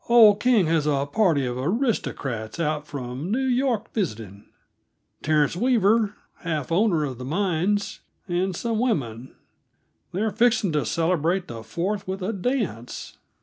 "Old King has a party of aristocrats out from New York, visiting Terence Weaver, half owner in the mines, and some women; they're fixing to celebrate the Fourth with a dance.